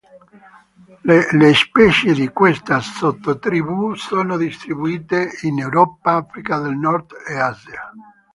Le specie di questa sottotribù sono distribuite in Europa, Africa del Nord e Asia.